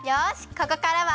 ここからは。